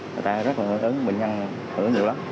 người ta rất là hưởng ứng bệnh nhân hưởng ứng nhiều lắm